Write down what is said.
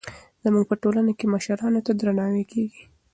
زموږ په ټولنه کې مشرانو ته درناوی کېږي.